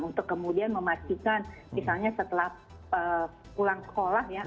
untuk kemudian memastikan misalnya setelah pulang sekolah ya